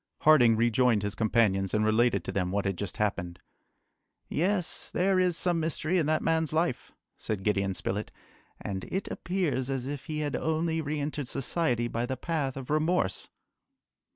Harding rejoined his companions and related to them what had just happened. "Yes! there is some mystery in that man's life," said Gideon Spilett, "and it appears as if he had only re entered society by the path of remorse."